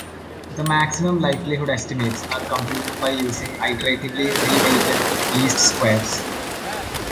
The maximum-likelihood estimates are computed by using iteratively reweighted least squares.